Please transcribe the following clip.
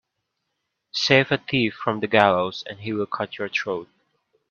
Save a thief from the gallows and he will cut your throat